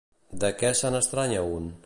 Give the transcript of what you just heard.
De què se n'estranya un?